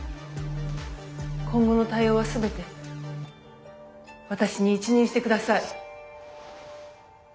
今後の対応は全て私に一任して下さい。